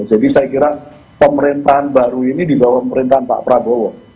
jadi saya kira pemerintahan baru ini di bawah pemerintahan pak prabowo